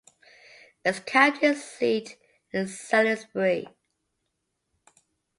Its county seat is Salisbury.